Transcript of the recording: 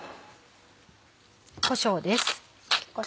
こしょうです。